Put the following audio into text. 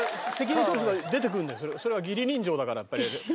それは義理人情だからやっぱり。